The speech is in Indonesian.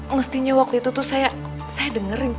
mestinya waktu itu tuh saya dengerin